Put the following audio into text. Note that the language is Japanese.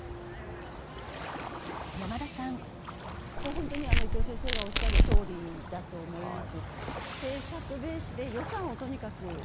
本当に伊藤先生がおっしゃるとおりだと思います。